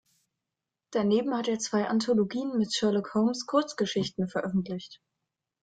Daneben hat er zwei Anthologien mit Sherlock Holmes Kurzgeschichten veröffentlicht.